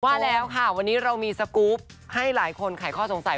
ว่าแล้วค่ะวันนี้เรามีสกรูปให้หลายคนไขข้อสงสัย